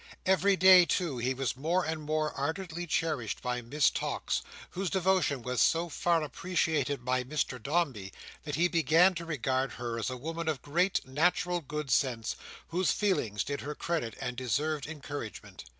Every day, too, he was more and more ardently cherished by Miss Tox, whose devotion was so far appreciated by Mr Dombey that he began to regard her as a woman of great natural good sense, whose feelings did her credit and deserved encouragement.